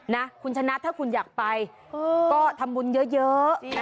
นะคุณชนะถ้าคุณอยากไปก็ทำบุญเยอะ